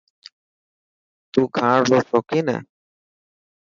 تون کاڻ رو شوڪين هي؟